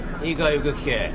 よく聞け。